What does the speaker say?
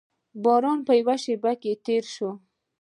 باران په یوه شېبه کې تېر شو.